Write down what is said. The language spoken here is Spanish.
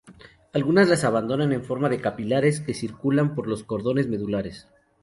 Algunas las abandonan en forma de capilares que circulan por los cordones medulares.